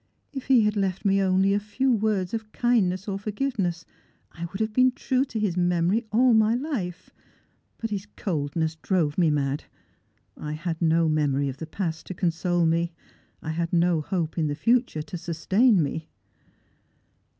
" If he had left me only a few words of kindness or forgive ness, I would have been true to his memory all my life ; but his coldness drove me mad. I had no memory of the past to con sole me; I had no hope in the future to sustain me."